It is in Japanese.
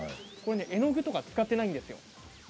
絵の具とか使っていないんですよ。